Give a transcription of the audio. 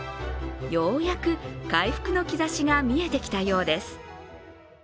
ようやく回復の兆しが見えてきたようです。